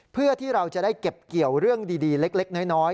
เพื่อที่เราจะได้เก็บเกี่ยวเรื่องดีเล็กน้อย